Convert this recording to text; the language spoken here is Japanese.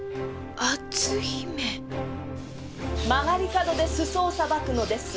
曲がり角で裾をさばくのです。